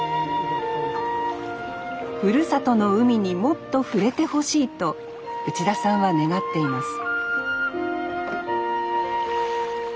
ふるさとの海にもっと触れてほしいと内田さんは願っています